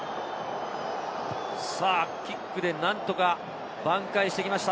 キックで何とか挽回してきました。